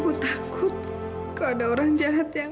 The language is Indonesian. ibu takut kalau ada orang jahat yang